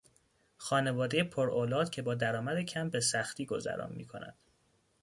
خانوادهی پر اولاد که با درآمد کم به سختی گذران میکند